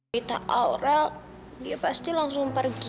kita aura dia pasti langsung pergi